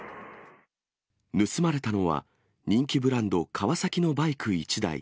盗まれたのは、人気ブランド、カワサキのバイク１台。